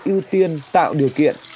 ưu tiên tạo điều kiện